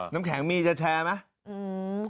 น้ำแข็งมีจะแชร์ไหม